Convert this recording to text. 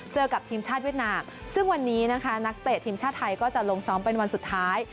กับทีมชาติเวียดนามซึ่งวันนี้นะคะนักเตะทีมชาติไทยก็จะลงซ้อมเป็นวันสุดท้าย